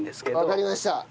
わかりました！